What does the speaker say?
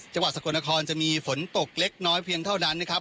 จังหวัดสกลนครจะมีฝนตกเล็กน้อยเพียงเท่านั้นนะครับ